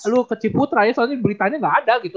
lo ke ciputra ya soalnya beritanya gak ada gitu